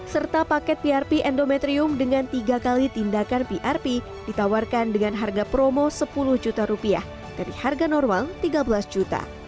serta paket prp endometrium dengan tiga kali tindakan prp ditawarkan dengan harga promo sepuluh juta rupiah dari harga normal rp tiga belas juta